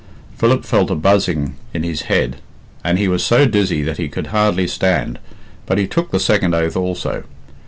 Philip felt a buzzing in his head, and he was so dizzy that he could hardly stand, but he took the second oath also.